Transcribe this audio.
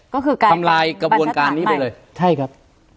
ก็คือการทำลายกระบวนการนี้ไปเลยใช่ครับ